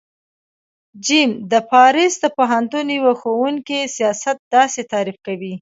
ج : د پاریس د پوهنتون یوه ښوونکی سیاست داسی تعریف کوی